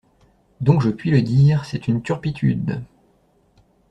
Donc je puis le dire, c'est une turpitude!